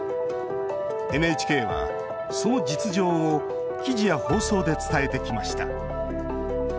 ＮＨＫは、その実情を記事や放送で伝えてきました。